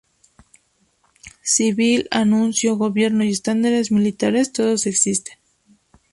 Civil, anuncio, gobierno y estándares militares todos existen.